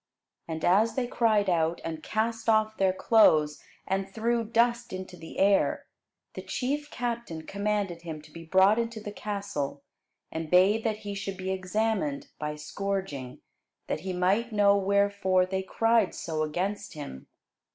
And as they cried out, and cast off their clothes, and threw dust into the air, the chief captain commanded him to be brought into the castle, and bade that he should be examined by scourging; that he might know wherefore they cried so against him.